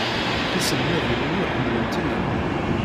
Tiselmadin-inu ḥemmlent-iyi.